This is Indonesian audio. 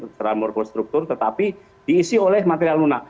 secara morkonstruktur tetapi diisi oleh material lunak